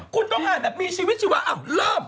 คุณต้องอ่านแบบมีชีวิตชีวะเริ่ม